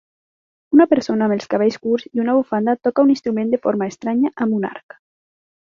Una persona amb els cabells curts i una bufanda toca un instrument de forma estranya amb un arc